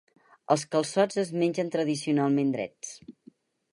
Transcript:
Els calçots es mengen tradicionalment drets.